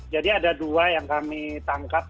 jadi ada dua yang kami tangkap